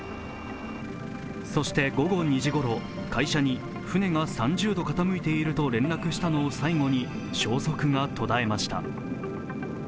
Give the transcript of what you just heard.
そして午後２時ごろ、会社に船が３０度傾いていると連絡したのを最後に消息が途絶えました。